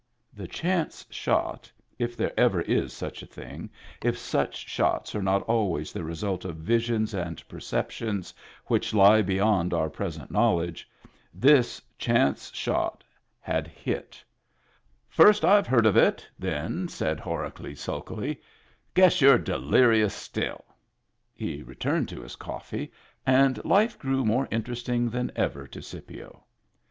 The chance shot — if there ever is such a thing, if such shots are not always the result of visions and perceptions which lie beyond our present knowledge — this chance shot had hit. Digitized by Google 40 MEMBERS OF THE FAMILY "First Tve heard of it," then said Horacles, sulkily. " Guess youVe delirious still." He returned to his cofifee, and life grew more inter esting than ever to Scipio.